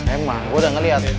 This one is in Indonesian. emang gue udah ngeliat